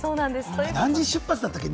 何時出発だったっけ？